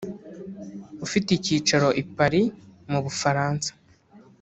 ufite icyicaro i Paris mu Bufaransa